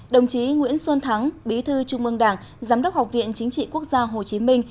đồng chí nguyễn xuân thắng bí thư trung mương đảng giám đốc học viện chính trị quốc gia hồ chí minh